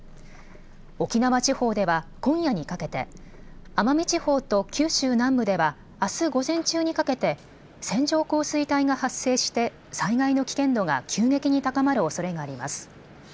沖縄地方では今夜にかけて、奄美地方と九州南部ではあす午前中にかけて線状降水帯が発生して災害の危険度が急激に高まるおそれがあります。